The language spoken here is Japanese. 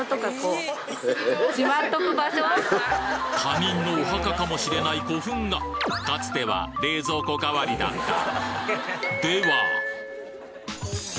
他人のお墓かもしれない古墳がかつては冷蔵庫代わりだった